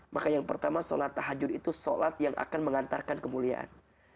maka yang pertama sholat tahajud itu sholat yang akan mengantarkan kemuliaan